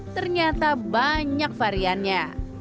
ternyata banyak variannya